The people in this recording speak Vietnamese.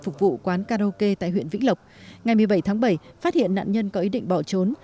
phục vụ quán karaoke tại huyện vĩnh lộc ngày một mươi bảy tháng bảy phát hiện nạn nhân có ý định bỏ trốn